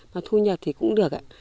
mà thu nhập thì cũng được